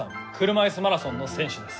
車いすマラソンの選手です。